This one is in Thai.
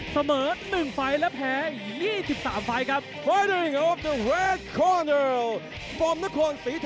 เสมอ๑ไฟล์แล้วแพ้๒๓ไฟล์